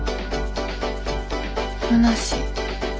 むなしい。